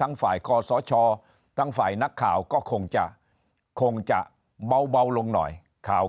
ทั้งฝ่ายคอสชทั้งฝ่ายนักข่าวก็คงจะคงจะเบาลงหน่อยข่าว